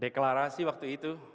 deklarasi waktu itu